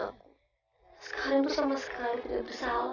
sekarang aku sama mas karim tidak bersalah